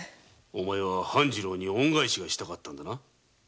お前は半次郎に恩返しがしたかったのだな？